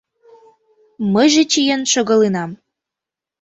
Мыйже чиен шогалынам: